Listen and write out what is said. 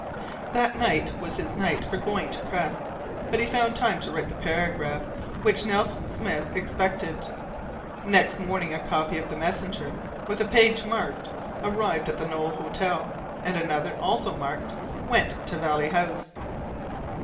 That night was his night for going to press, but he found time to write the paragraph which Nelson Smith expected. Next morning a copy of the Messenger, with a page marked, arrived at the Knowle Hotel, and another, also marked, went to Valley House.